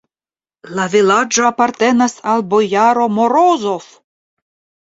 La vilaĝo apartenas al bojaro Morozov!